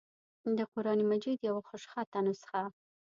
دَقرآن مجيد يوه خوشخطه نسخه